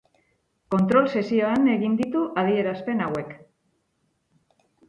Kontrol sesioan egin ditu adierazpen hauek.